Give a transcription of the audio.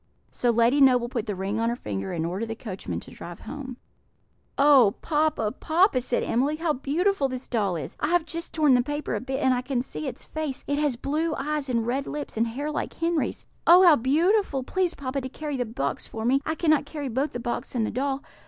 So Lady Noble put the ring on her finger, and ordered the coachman to drive home. "Oh, papa, papa!" said Emily, "how beautiful this doll is! I have just torn the paper a bit, and I can see its face; it has blue eyes and red lips, and hair like Henry's. Oh, how beautiful! Please, papa, to carry the box for me; I cannot carry both the box and the doll.